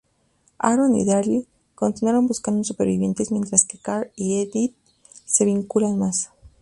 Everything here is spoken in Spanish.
Aaron y Daryl continúan buscando supervivientes mientras que Carl y Enid se vinculan mas.